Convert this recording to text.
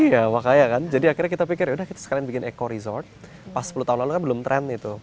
iya makanya kan jadi akhirnya kita pikir yaudah kita sekalian bikin eco resort pas sepuluh tahun lalu kan belum trend itu